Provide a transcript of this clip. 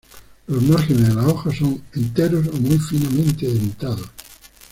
Los márgenes de las hojas son enteros o muy finamente dentados.